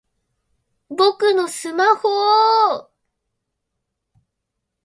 僕のスマホぉぉぉ！